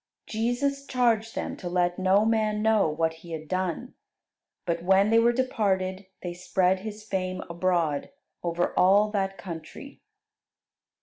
Jesus charged them to let no man know what He had done. But when they were departed they spread His fame abroad over all that country.